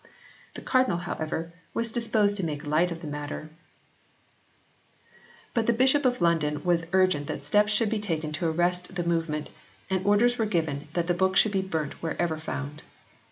The Cardinal, however, was disposed to make light of the matter, but the 44 HISTORY OF THE ENGLISH BIBLE [OH. Bishop of London was urgent that steps should be taken to arrest the movement, and orders were given that the books should be burnt wherever found.